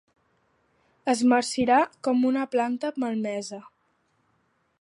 Es marcirà com una planta malmesa.